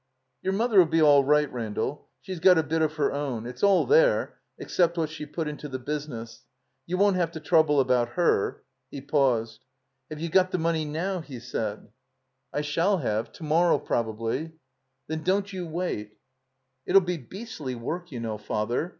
"Your Mother '11 be all right, Randall. She's got a bit of her own. It's all there, except what she put into the business. You won't have to trouble about her." He paused. "Have you got the money now?" he said. 333 THE COMBINED MAZE I shall have. To morrow, probably." "Then don't you wait." ''It 'II be beastly work, you know. Father.